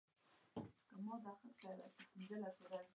باقي هم خیر دی، دویمه پوښتنه هم ده.